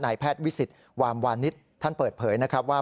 แพทย์วิสิตวามวานิสท่านเปิดเผยนะครับว่า